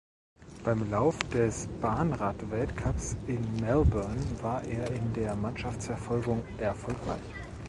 Beim Lauf des Bahnrad-Weltcups in Melbourne war er in der Mannschaftsverfolgung erfolgreich.